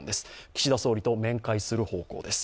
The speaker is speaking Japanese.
岸田総理と面会する方向です。